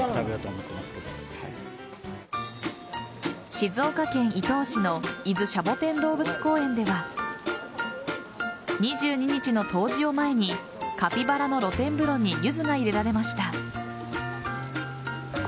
静岡県伊東市の伊豆シャボテン動物公園では２２日の冬至を前にカピバラの露天風呂にユズが入れられました。